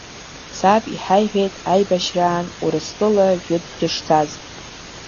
Саб иҳаиҳәеит аибашьраан Урыстәыла жәытә дышцаз…